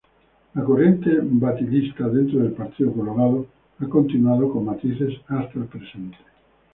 La corriente batllista dentro del Partido Colorado ha continuado, con matices, hasta el presente.